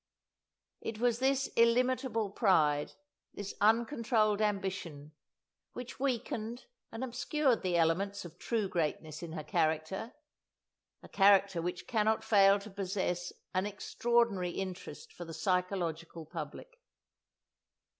It was this illimitable pride, this uncontrolled ambition, which weakened and obscured the elements of true greatness in her character, a character which cannot fail to possess an extraordinary interest for the psychological public.